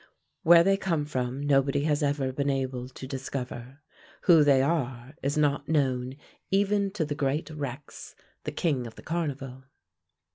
Where they come from nobody has ever been able to discover. Who they are is not known even to the great Rex, the king of the Carnival.